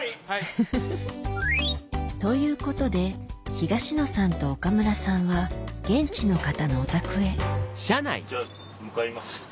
フフフフということで東野さんと岡村さんは現地の方のお宅へじゃあ向かいます。